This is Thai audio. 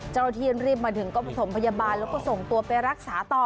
เจ้าทีมันรีบมาถึงก็ไปส่งพยาบาลแล้วก็ส่งตัวไปรักษาต่อ